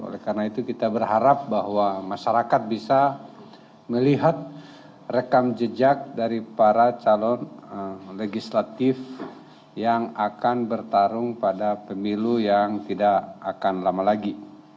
oleh karena itu kita berharap bahwa masyarakat bisa melihat rekam jejak dari para calon legislatif yang akan bertarung pada pemilu yang tidak akan lama lagi